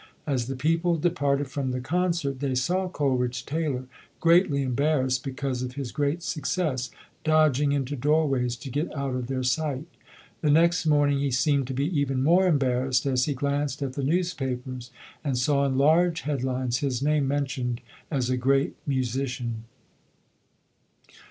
As the people departed from the concert, they saw Cole ridge Taylor, greatly embarrassed because of his great success, dodging into doorways to get out of their sight. The next morning, he seemed to be even more embarrassed as he glanced at the newspapers and saw in large headlines his name mentioned as a great musician.